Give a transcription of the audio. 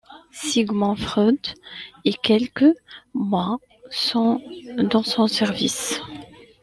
Sigmund Freud est quelques mois dans son service.